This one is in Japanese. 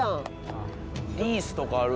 リースとかある。